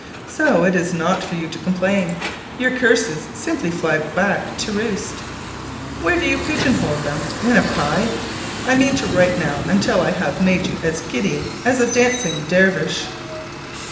So it is not for you to complain; your curses simply fly back to roost. Where do you pigeon hole them? In a pie? (I mean to write now until I have made you as giddy as a dancing dervish!)